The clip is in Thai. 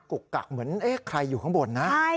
กุกกักเหมือนเอ๊ะใครอยู่ข้างบนนะ